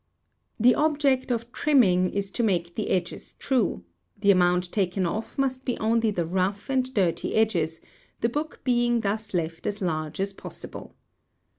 The object of trimming is to make the edges true; the amount taken off must be only the rough and dirty edges, the book being thus left as large as possible.